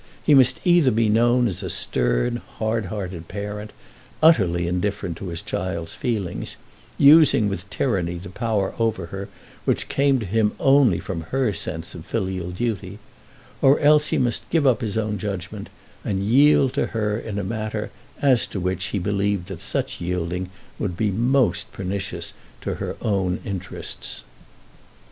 He must either be known as a stern, hard hearted parent, utterly indifferent to his child's feelings, using with tyranny the power over her which came to him only from her sense of filial duty, or else he must give up his own judgment, and yield to her in a matter as to which he believed that such yielding would be most pernicious to her own interests.